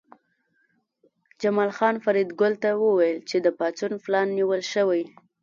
جمال خان فریدګل ته وویل چې د پاڅون پلان نیول شوی